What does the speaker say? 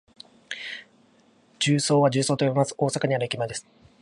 十三は「じゅうそう」と読みます。大阪にある駅前です。